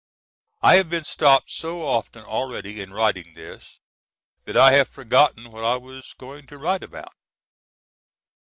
I have been stopped so often already in writing this that I have forgotten what I was going to write about.